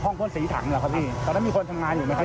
พ่นสีถังเหรอครับพี่ตอนนั้นมีคนทำงานอยู่ไหมครับ